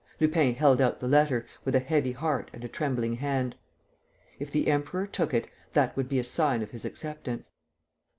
Lupin held out the letter, with a heavy heart and a trembling hand. If the Emperor took it, that would be a sign of his acceptance.